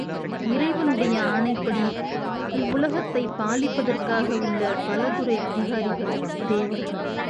இறைவனுடைய ஆணைப்படி இவ்வுலகத்தைப் பாலிப்பதற்காக உள்ள பலதுறை அதிகாரிகள் தேவர்கள்.